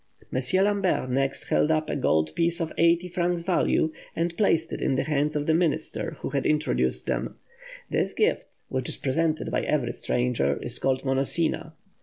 M. Lambret next held up a gold piece of eighty francs value, and placed it in the hands of the minister who had introduced them. This gift, which is presented by every stranger, is called "Monosina."